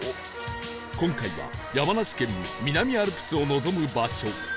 今回は山梨県南アルプスを望む場所